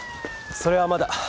それはまだ。